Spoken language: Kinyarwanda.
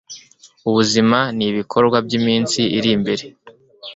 Ubuzima nibikorwa byiminsi iri imbere